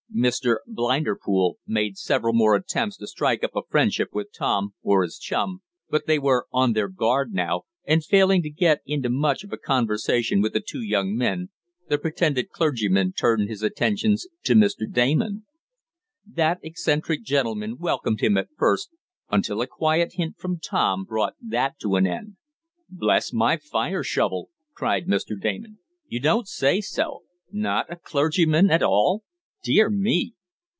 "Mr. Blinderpool" made several more attempts to strike up a friendship with Tom, or his chum, but they were on their guard now, and, failing to get into much of a conversation with the two young men, the pretended clergyman turned his attentions to Mr. Damon. That eccentric gentleman welcomed him at first, until a quiet hint from Tom brought that to an end. "Bless my fire shovel!" cried Mr. Damon. "You don't say so! Not a clergyman at all? Dear me!"